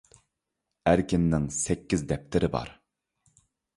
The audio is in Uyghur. ئەركىننىڭ سەككىز دەپتىرى بار.